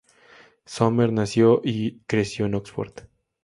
Sumner nació y creció en Oxford.